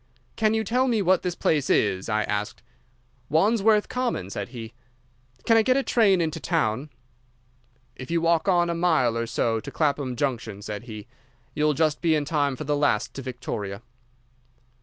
"'Can you tell me what place this is?' I asked. "'Wandsworth Common,' said he. "'Can I get a train into town?' "'If you walk on a mile or so to Clapham Junction,' said he, 'you'll just be in time for the last to Victoria.